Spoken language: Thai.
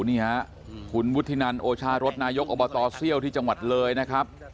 นี่ฮะคุณวุฒินันโอชารสนายกอบตเซี่ยวที่จังหวัดเลยนะครับ